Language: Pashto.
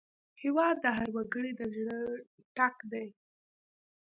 هېواد د هر وګړي د زړه ټک دی.